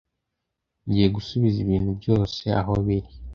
Ngiye gusubiza ibintu byose aho biri.